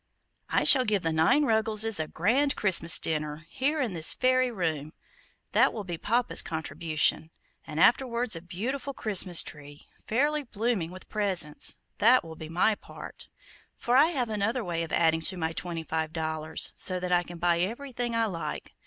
"I shall give the nine Ruggleses a grand Christmas dinner here in this very room that will be Papa's contribution, and afterwards a beautiful Christmas tree, fairly blooming with presents that will be my part; for I have another way of adding to my twenty five dollars, so that I can buy everything I like.